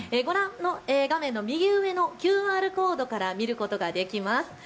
画面右上のＱＲコードから見ることができます。